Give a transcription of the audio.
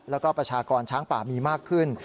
แล้วก็ประชากรช้างป่ามีมากขึ้น